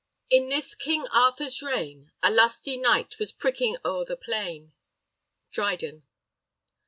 In this King Arthur's reign, A lusty knight was pricking o'er the plain. Dryden.